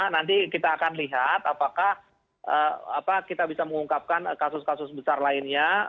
nanti kita akan lihat apakah kita bisa mengungkapkan kasus kasus besar lainnya